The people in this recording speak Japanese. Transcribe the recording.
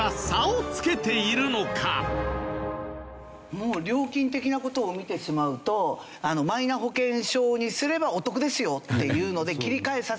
もう料金的な事を見てしまうとマイナ保険証にすればお得ですよっていうので切り替えさせる。